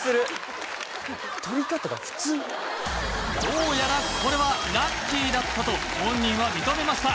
どうやらこれはラッキーだったと本人は認めました